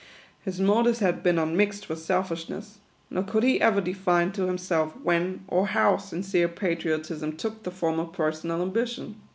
His motives had been unmixed with selfishness, nor could he ever de fine to himself when or how sincere patriotism took the form of personal ambition.